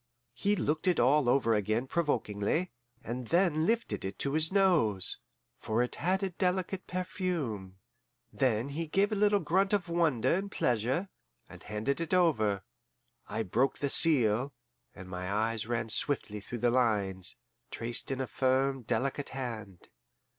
He looked it all over again provokingly, and then lifted it to his nose, for it had a delicate perfume. Then he gave a little grunt of wonder and pleasure, and handed it over. I broke the seal, and my eyes ran swiftly through the lines, traced in a firm, delicate hand.